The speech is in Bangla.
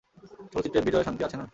চলচ্চিত্রে বিজয়াশান্তি আছে না?